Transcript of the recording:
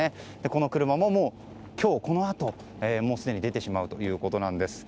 この車も今日このあともうすでに出てしまうということです。